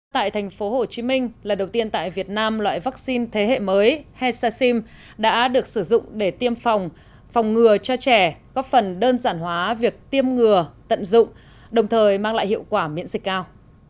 tại thành phố hồ chí minh lần đầu tiên tại việt nam loại vaccine thế hệ mới hecsacim đã được sử dụng để tiêm phòng phòng ngừa cho trẻ góp phần đơn giản hóa việc tiêm ngừa tận dụng đồng thời mang lại hiệu quả miễn dịch cao